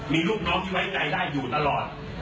มีลูกน้องที่ไว้ใจได้อยู่ตลอด